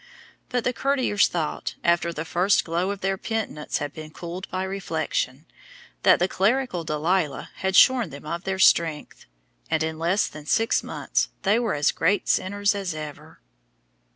But the courtiers thought, after the first glow of their penitence had been cooled by reflection, that the clerical Delilah had shorn them of their strength, and in less than six months they were as great sinners as ever.